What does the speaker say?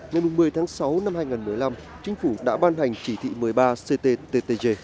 ngày một mươi tháng sáu năm hai nghìn một mươi năm chính phủ đã bàn hành trị thị một mươi ba ctttg